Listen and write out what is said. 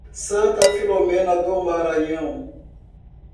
Santa Filomena do Maranhão